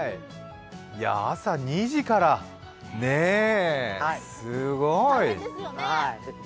朝２時からすごい！